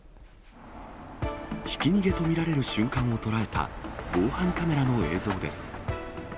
ひき逃げと見られる瞬間を捉えた防犯カメラの映像です。